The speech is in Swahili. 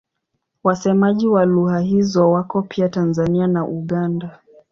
Wasemaji wa lugha hizo wako pia Tanzania na Uganda.